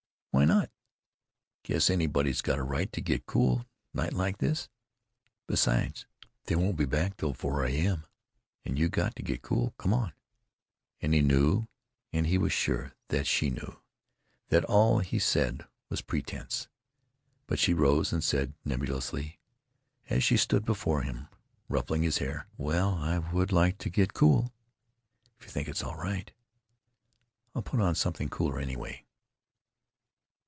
"Why not? Guess anybody's got a right to get cool—night like this. Besides, they won't be back till 4 p.m. And you got to get cool. Come on." And he knew—and he was sure that she knew—that all he said was pretense. But she rose and said, nebulously, as she stood before him, ruffling his hair: "Well, I would like to get cool. If you think it's all right——I'll put on something cooler, anyway."